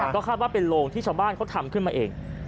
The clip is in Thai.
ก็คาดว่าเป็นโรงที่ชาวบ้านเขาทำขึ้นมาเอง